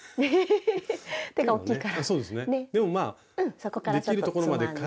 そこからちょっとつまんで。